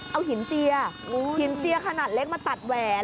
เอาหินเซียหินเซียขนาดเล็กมาตัดแหวน